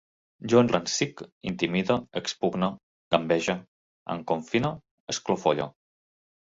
Jo enrancisc, intimide, expugne, gambege, encofine, esclofolle